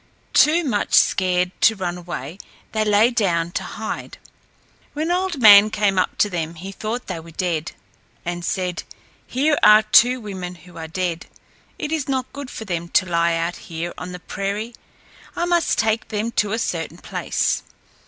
Too much scared to run away, they lay down to hide. When Old Man came up to them he thought they were dead, and said, "Here are two women who are dead. It is not good for them to lie out here on the prairie. I must take them to a certain place."